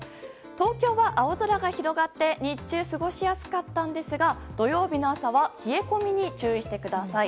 東京は青空が広がって日中、過ごしやすかったんですが土曜日の朝は冷え込みに注意してください。